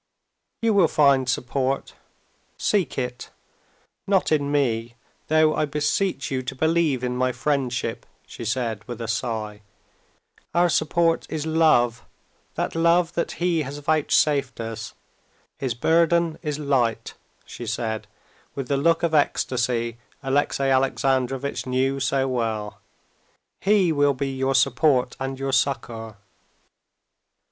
"You will find support; seek it—not in me, though I beseech you to believe in my friendship," she said, with a sigh. "Our support is love, that love that He has vouchsafed us. His burden is light," she said, with the look of ecstasy Alexey Alexandrovitch knew so well. "He will be your support and your succor."